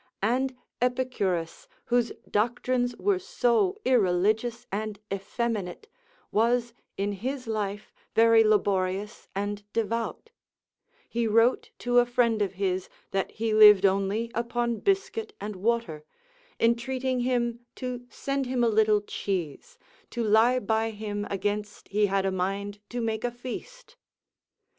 And Epicurus, whose doctrines were so irreligious and effeminate, was in his life very laborious and devout; he wrote to a friend of his that he lived only upon biscuit and water, entreating him to send him a little cheese, to lie by him against he had a mind to make a feast.